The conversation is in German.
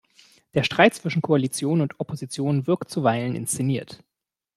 Der Streit zwischen Koalition und Opposition wirkt zuweilen inszeniert.